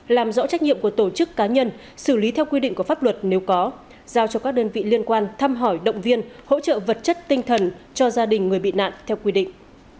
làm rõ trách nhiệm của tổ chức cá nhân xử lý theo quy định của pháp luật nếu có giao cho các đơn vị liên quan thăm hỏi động viên hỗ trợ vật chất tinh thần cho gia đình người bị nạn theo quy định